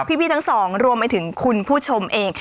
พี่ทั้งสองรวมไปถึงคุณผู้ชมเอง